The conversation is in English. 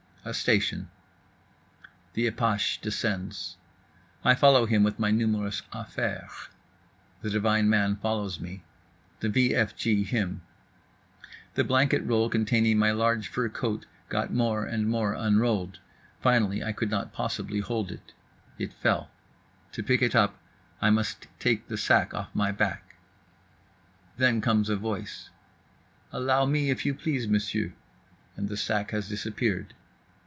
A station. The apache descends. I follow with my numerous affaires. The divine man follows me—the v f g him. The blanket roll containing my large fur coat got more and more unrolled; finally I could not possibly hold it. It fell. To pick it up I must take the sack off my back. Then comes a voice, "allow me if you please, monsieur"—and the sack has disappeared.